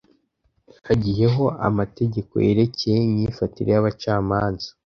hagiyeho amategeko yerekeye imyifatire y'abacamanza